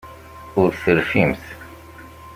Ur terfimt.